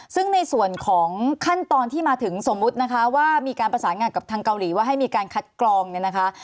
ซึ่งในส่วนของขั้นตอนที่มาถึงสมมุตินะคะว่ามีการประสานงานกับทางเกาหลีว่าให้มีการคัดกรองเนี่ยนะคะ